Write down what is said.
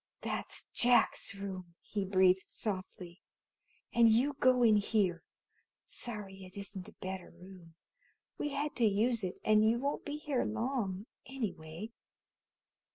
"That's Jack's room," he breathed softly, "and you go in here. Sorry it isn't a better room. We had to use it, and you won't be here long, anyway."